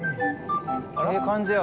ええ感じや。